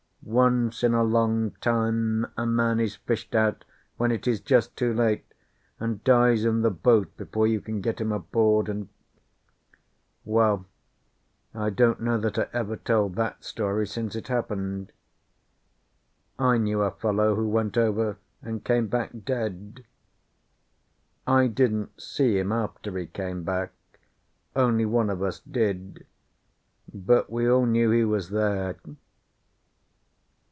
Once in a long time a man is fished out when it is just too late, and dies in the boat before you can get him aboard, and well, I don't know that I ever told that story since it happened I knew a fellow who went over, and came back dead. I didn't see him after he came back; only one of us did, but we all knew he was there.